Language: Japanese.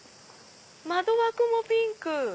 窓枠もピンク。